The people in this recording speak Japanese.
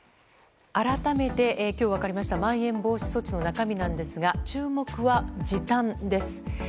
改めて、今日分かりましたまん延防止措置の中身なんですが注目は、時短です。